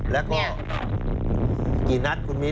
แล้วก็กี่นัดคุณมิ้น